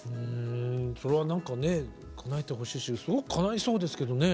それは何かねかなえてほしいしすごくかないそうですけどね。